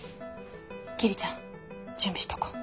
桐ちゃん準備しとこう。